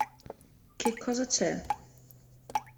Che cosa c'è?